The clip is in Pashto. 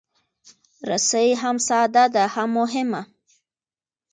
رسۍ هم ساده ده، هم مهمه.